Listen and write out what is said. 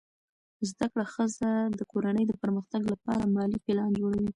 زده کړه ښځه د کورنۍ د پرمختګ لپاره مالي پلان جوړوي.